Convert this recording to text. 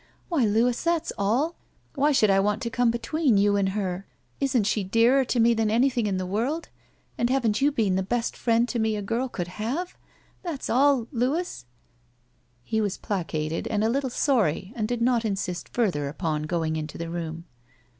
Why, Louis — that's all ! Why should I want to come between you and her? Isn't she dearer to me than anything in the world, and haven't you been the best friend to me a girl could have? That's all— Louis." He was placated and a little sorry and did not insist further upon going into the room.